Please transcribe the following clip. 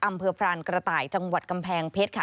พรานกระต่ายจังหวัดกำแพงเพชรค่ะ